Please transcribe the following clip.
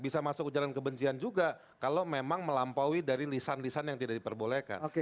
bisa masuk ujaran kebencian juga kalau memang melampaui dari lisan lisan yang tidak diperbolehkan